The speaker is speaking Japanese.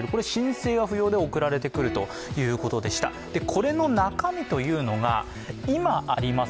これの中身というのが今あります